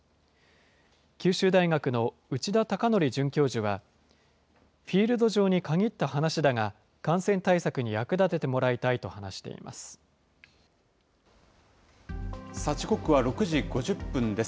九州大学の内田孝紀准教授は、フィールド上に限った話だが、感染対策に役立ててもらいたいと話し時刻は６時５０分です。